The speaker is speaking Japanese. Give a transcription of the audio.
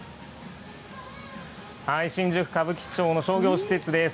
新宿・歌舞伎町の商業施設です。